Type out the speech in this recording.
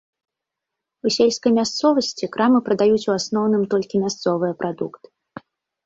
У сельскай мясцовасці крамы прадаюць у асноўным толькі мясцовыя прадукты.